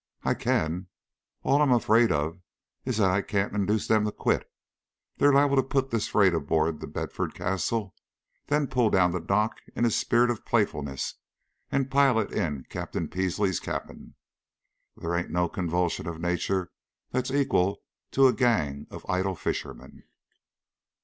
"I can. All I'm afraid of is that I can't induce them to quit. They're liable to put this freight aboard The Bedford Castle, and then pull down the dock in a spirit of playfulness and pile it in Captain Peasley's cabin. There ain't no convulsion of nature that's equal to a gang of idle fishermen."